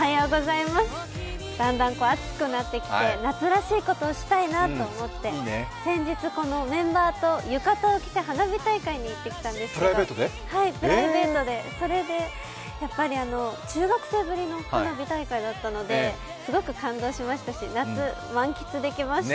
だんだん暑くなってきて夏らしいことをしたいなと思って、先日メンバーと浴衣を着て花火大会に行ってきたんですけど、プライベートで、それで中学生ぶりの花火大会だったのですごく感動しましたし、夏満喫できました。